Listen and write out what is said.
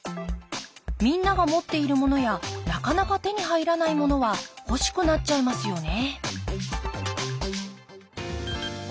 みんなが持っているものやなかなか手に入らないものは欲しくなっちゃいますよね